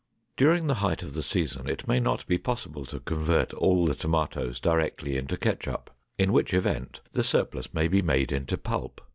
During the height of the season, it may not be possible to convert all the tomatoes directly into ketchup, in which event the surplus may be made into pulp.